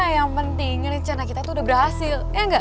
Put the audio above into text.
yang pentingnya cah nah kita tuh udah berhasil